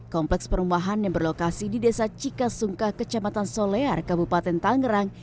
kompleks perumahan yang berlokasi di desa cikasungkah kecamatan solear kabupaten tangerang